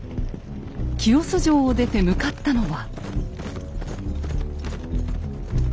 清須城を出て向かったのは。